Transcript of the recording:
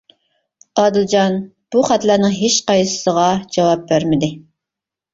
ئادىلجان بۇ خەتلەرنىڭ ھېچقايسىسىغا جاۋاب بەرمىدى.